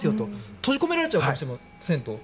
閉じ込められちゃうかもしれませんと。